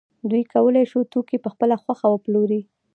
دوی کولای شو توکي په خپله خوښه وپلوري